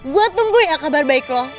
gue tunggu ya kabar baik loh